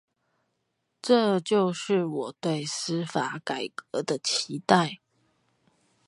這就是我對司法改革的期待